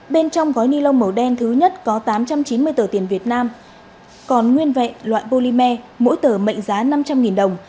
bên trong gói ni lông màu đen thứ nhất có tám trăm chín mươi tờ tiền việt nam còn nguyên vẹn loại polymer mỗi tờ mệnh giá năm trăm linh đồng